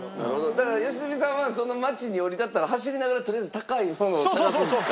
だから良純さんは街に降り立ったら走りながらとりあえず高いものを探すんですか？